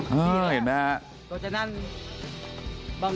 เห็นไหมครับ